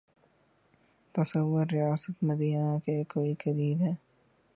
تصور ریاست مدینہ کے کوئی قریب ہے۔